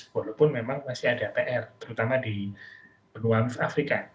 walaupun memang masih ada pr terutama di benua afrika